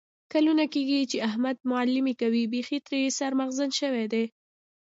کلونه کېږي چې احمد معلیمي کوي. بیخي ترې سر مغزن شوی دی.